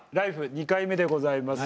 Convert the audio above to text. ２回目でございますが。